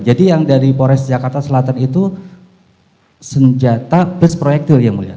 jadi yang dari polres jakarta selatan itu senjata plus proyektil yang mulia